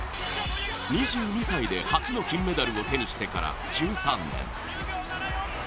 ２２歳で初の金メダルを手にしてから１３年。